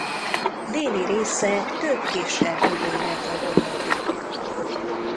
Déli része több kisebb öbölre tagolódik.